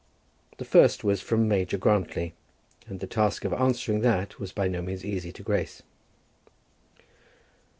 The first was from Major Grantly, and the task of answering that was by no means easy to Grace.